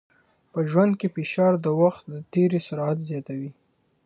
په ژوند کې فشار د وخت د تېري سرعت زیاتوي.